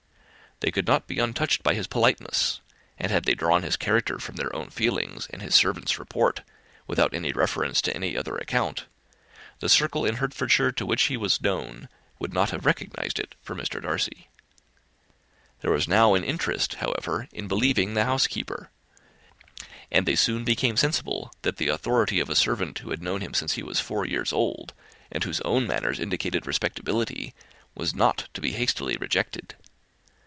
They could not be untouched by his politeness; and had they drawn his character from their own feelings and his servant's report, without any reference to any other account, the circle in Hertfordshire to which he was known would not have recognized it for Mr. Darcy. There was now an interest, however, in believing the housekeeper; and they soon became sensible that the authority of a servant, who had known him since he was four years old, and whose own manners indicated respectability, was not to be hastily rejected.